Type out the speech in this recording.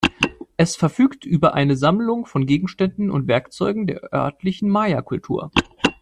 Es verfügt über eine Sammlung von Gegenständen und Werkzeugen der örtlichen Maya-Kultur.